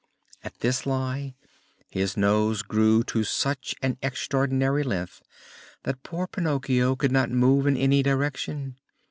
At this lie his nose grew to such an extraordinary length that poor Pinocchio could not move in any direction.